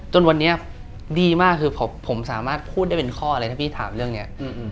จนวันนี้ดีมากคือผมสามารถพูดได้เป็นข้ออะไรถ้าพี่ถามเรื่องนี้